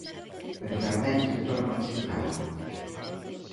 Pero realmente outorgan os que calan?